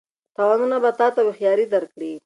تاوانونه به تا ته هوښیاري درکړي.